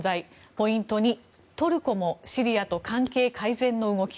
ポイント２、トルコもシリアと関係改善の動き。